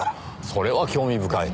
それは興味深い。